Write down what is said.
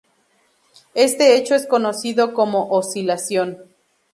Este hecho es conocido como oscilación.